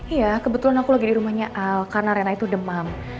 iya kebetulan aku lagi di rumahnya al karena rena itu demam